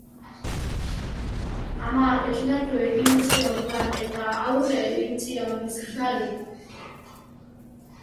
Ama esnatu egin zen orduan, eta aurre egin zion gizonari.